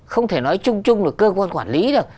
không thể nói chung chung là cơ quan quản lý được